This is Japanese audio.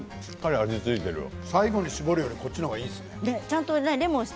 最後に絞るよりこっちの方がいいですね。